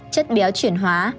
chất béo chuyển hóa